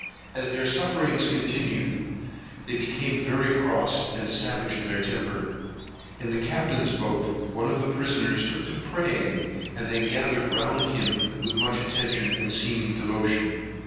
As their sufferings continued, they became very cross and savage in their temper. In the Captain's boat, one of the prisoners took to praying, and they gathered round him with much attention and seeming devotion.